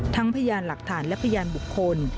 พยานหลักฐานและพยานบุคคล